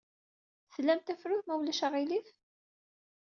Tlam tafrut, ma ulac aɣilif?